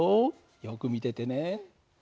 よく見ててね。